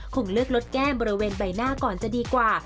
คงเลือกลดแก้มบริเวณใบหน้าก่อนจะดีกว่า